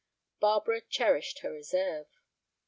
Barbara cherished her reserve.